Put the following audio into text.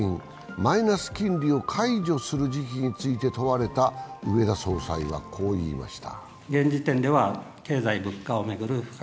マイナス金利を解除する時期について問われた植田総裁はこう言いました。